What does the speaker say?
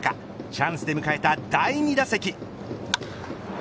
チャンスで迎えた第２打席。